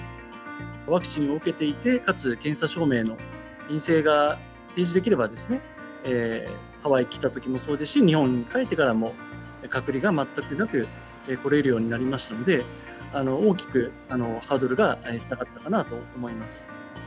ワクチンを受けていて、かつ検査証明の陰性が提示できればですね、ハワイ来たときもそうですし、日本に帰ってからも隔離が全くなく来れるようになりましたので、大きくハードルが下がったかなと思います。